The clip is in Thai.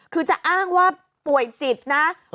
คือจะอ้างว่าป่วยจิตนะ